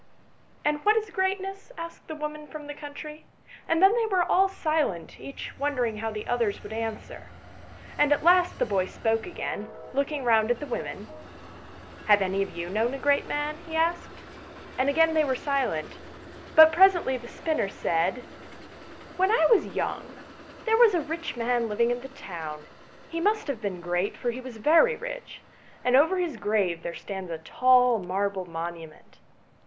" And what is greatness ?" asked the woman from the country; and then they were all silent, each wondering how the others would answer. And at last the boy spoke again, looking round at the women "Have any of you known a great man?" he K 130 ANYHOW STORIES. asked, and again they were silent ; but presently the spinner said " When 1 was young, there was a rich man living in the town ; he must have been great, for he was very rich, and over his grave there stands a tall marble monument."